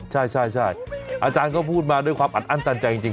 ใช่อาจารย์ก็พูดมาด้วยความอัดอั้นตันใจจริง